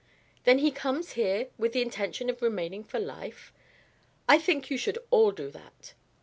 "Then he comes here with the intention of remaining for life? I think you should all do that."